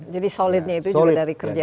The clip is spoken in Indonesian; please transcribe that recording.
jadi solidnya itu juga dari kerja